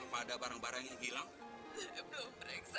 pak jangan pak